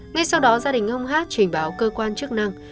ngay sau đó gia đình ông hát trình báo cơ quan chức năng